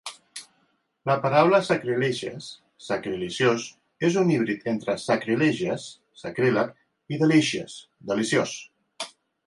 La paraula "sacrilicious" ("sacriliciós") és un híbrid entre sacrilegious (sacríleg) i delicious (deliciós).